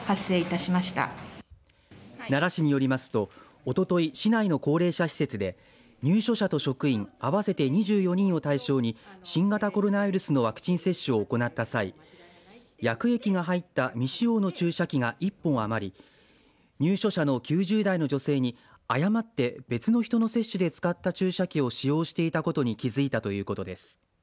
奈良市によりますと、おととい市内の高齢者施設で入所者と職員合わせて２４人を対象に新型コロナウイルスのワクチン接種を行った際薬液が入った未使用の注射器が１本余り、入所者の９０代の女性に誤って別の人の接種で使った注射器を使用していたことに気づいたということです。